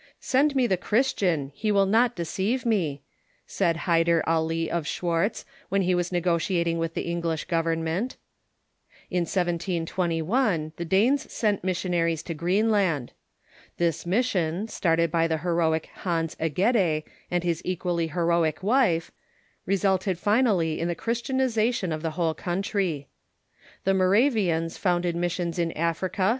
"Send me the Christian ; he will not deceive me," said Ilyder Ali of Schwartz, when he was negotiating with the English government. In 1721 the Danes sent missiona ries to Greenland. This mission, started b}^ the heroic Hans Egede and his equally heroic wife, resulted finally in the Chris tianization of the whole country. The Moravians founded mis sions in Africa.